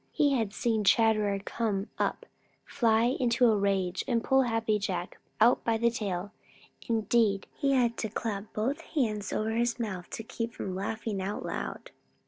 He had seen Chatterer come up, fly into a rage, and pull Happy Jack out by the tail. Indeed, he had had to clap both hands over his mouth to keep from laughing out loud.